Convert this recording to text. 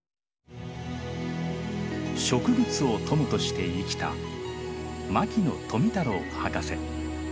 植物を友として生きた牧野富太郎博士。